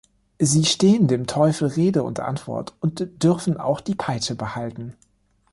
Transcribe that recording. Sie stehen dem Teufel Rede und Antwort und dürfen auch die Peitsche behalten.